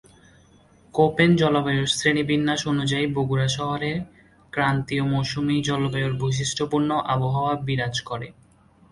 Copen জলবায়ু শ্রেণীবিন্যাস অনুযায়ী বরগুনা শহরে ক্রান্তীয় মৌসুমী জলবায়ুর বৈশিষ্ট্যপূর্ণ আবহাওয়া বিরাজ করে।